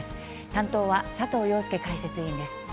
担当は佐藤庸介解説委員です。